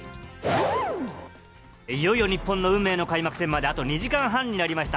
いよいよ日本の運命の開幕戦まであと２時間半になりました。